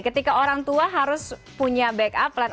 ketika orang tua harus punya back up plan